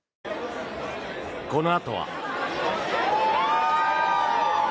このあとは。